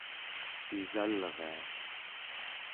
pisalria